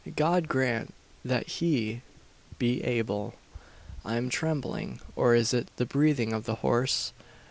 God grant that he be able! "I am trembling! Or is it the breathing of the horse?